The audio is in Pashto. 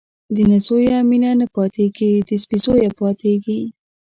د نه زويه مينه نه پاتېږي ، د سپي زويه پاتېږي.